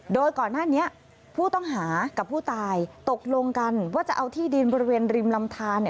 โดยก่อนหน้านี้ผู้ต้องหากับผู้ตายตกลงกันว่าจะเอาที่ดินบริเวณริมลำทาน